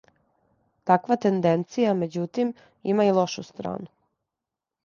Таква тенденција, међутим, има и лошу страну.